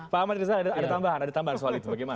pak ahmad ada tambahan soal itu bagaimana